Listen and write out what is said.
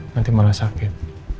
nanti malah sakit